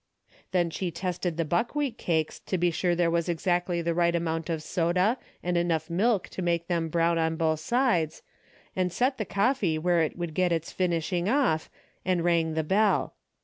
Then she tested the buckwheat cakes to be 168 DAILY BATEA* sure there was exactly the right amount of soda and enough milk to make them brown on both sides, and set the coffee where it would get its finishing off, and rang the bell.